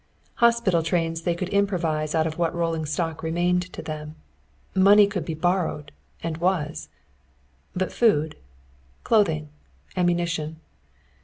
Hospital trains they could improvise out of what rolling stock remained to them. Money could be borrowed, and was. But food? Clothing? Ammunition?